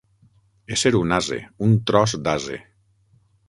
Ésser un ase, un tros d'ase.